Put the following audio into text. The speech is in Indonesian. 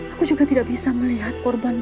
aku juga tidak bisa melihat korban